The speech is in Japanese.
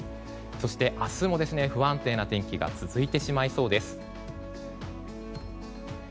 そして明日も不安定な天気が続いてしまいそうです。